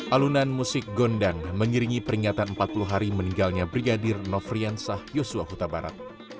alunan musik gondang mengiringi peringatan empat puluh hari meninggalnya brigadir nofriansah yosua huta barat